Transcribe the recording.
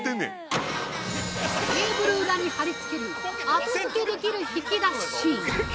◆テーブル裏に貼り付ける後付けできる引き出し！